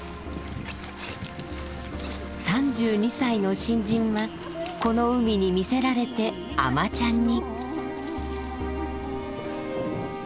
３２歳の新人はこの海に魅せられて「海女ちゃん」に。